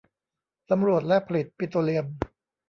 สำรวจและผลิตปิโตรเลียม